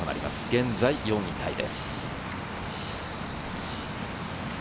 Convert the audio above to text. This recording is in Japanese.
現在４位タイです。